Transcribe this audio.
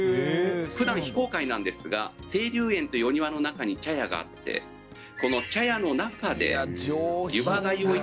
「普段非公開なんですが清流園というお庭の中に茶屋があってこの茶屋の中でゆば粥をいただく事ができるんです」